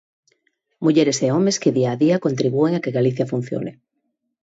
Mulleres e homes que día a día contribúen a que Galicia funcione.